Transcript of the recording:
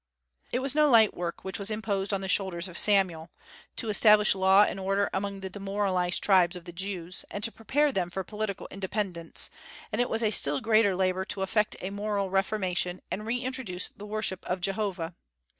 It was no light work which was imposed on the shoulders of Samuel, to establish law and order among the demoralized tribes of the Jews, and to prepare them for political independence; and it was a still greater labor to effect a moral reformation and reintroduce the worship of Jehovah.